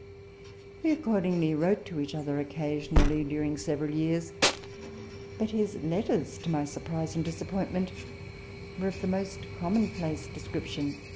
We accordingly wrote to each other occasionally during several years ; but his letters, to my surprise and disappointment, were of the most commonplace description.